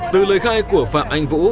từ lời khai của phạm anh vũ